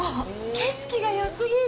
景色がよすぎる。